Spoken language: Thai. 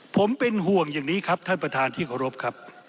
ผมเป็นห่วงอย่างนี้ครับท่านประธานที่เคารพครับ